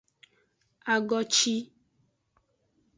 Agoci.